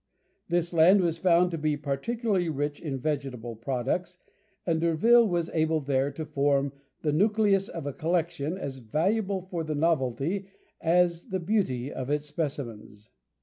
This land was found to be particularly rich in vegetable products, and D'Urville was able there to form the nucleus of a collection as valuable for the novelty as the beauty of its specimens.